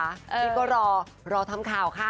พี่ก็รอรอทำข่าวค่ะ